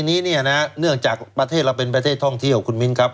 อันนี้เนี่ยนะเนื่องจากประเทศเราเป็นประเทศท่องเที่ยวคุณมิ้นครับ